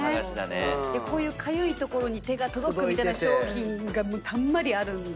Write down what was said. こういうかゆい所に手が届くみたいな商品がたんまりあるので。